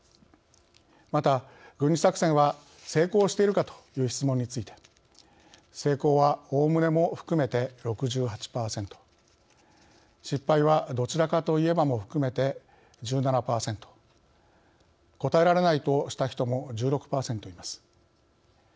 また、軍事作戦は成功しているかという質問について成功は、おおむねも含めて６８％失敗は、どちらかと言えばも含めて１７％答えられないとした人も１６％います。